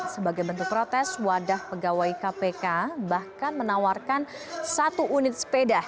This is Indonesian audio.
sebagai bentuk protes wadah pegawai kpk bahkan menawarkan satu unit sepeda